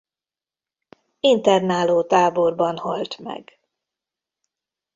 Internálótáborban halt meg.